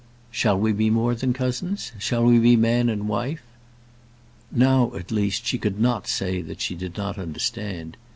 "Shall we be more than cousins? Shall we be man and wife?" Now, at least, she could not say that she did not understand.